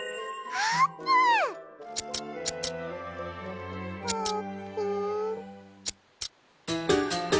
あーぷん。